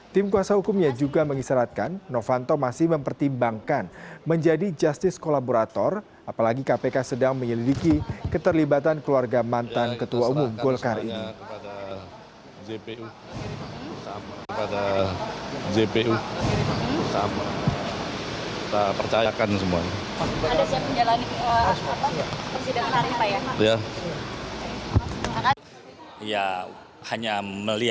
tim kuasa hukumnya juga mengisyaratkan novanto masih mempertimbangkan menjadi justice kolaborator apalagi kpk sedang menyelidiki keterlibatan keluarga mantan ketua umum golkar ini